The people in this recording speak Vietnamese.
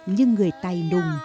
nhưng người tài lùng